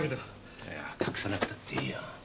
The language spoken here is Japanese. いや隠さなくたっていいよ。